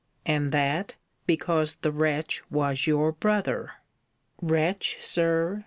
And that, because the wretch was your brother! Wretch, Sir!